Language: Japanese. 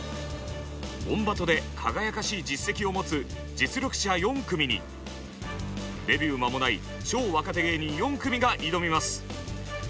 「オンバト」で輝かしい実績を持つ実力者４組にデビュー間もない超若手芸人４組が挑みます。